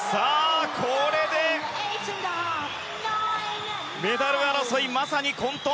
これでメダル争いまさに混沌。